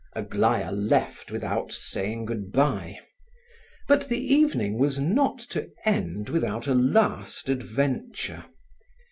Aglaya left without saying good bye. But the evening was not to end without a last adventure.